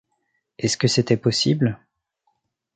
Est-ce que c’était possible?